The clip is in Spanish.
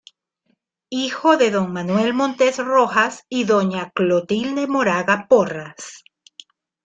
Hijo de don "Manuel Montes Rojas" y doña "Clotilde Moraga Porras".